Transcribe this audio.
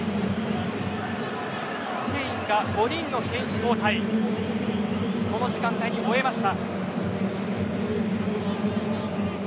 スペインが５人の選手交代をこの時間帯に終えました。